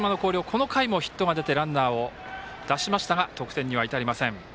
この回もヒットが出てランナーを出しましたが得点には至りません。